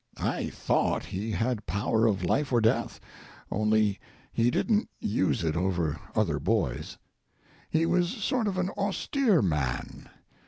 I thought he had power of life or death, only he didn't use it over other boys. He was sort of an austere man.